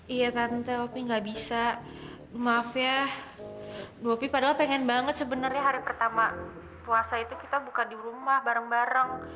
iya tante tapi gak bisa maaf ya gopi padahal pengen banget sebenarnya hari pertama puasa itu kita buka di rumah bareng bareng